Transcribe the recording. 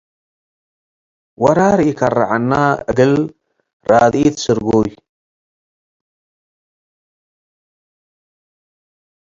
ወራር ኢከርዐነ እግል ራድኢት ስርጉይ